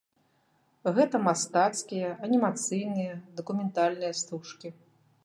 Гэта мастацкія, анімацыйныя, дакументальныя стужкі.